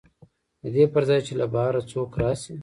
د دې پر ځای چې له بهر څوک راشي